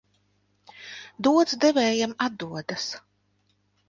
Dots devējām atdodas.